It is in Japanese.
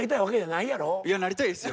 いやなりたいですよ。